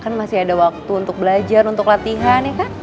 kan masih ada waktu untuk belajar untuk latihan ya kan